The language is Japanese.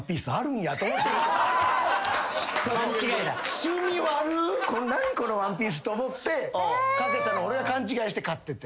「趣味悪ぅ。何このワンピース」と思って掛けたのを俺が勘違いして買ってて。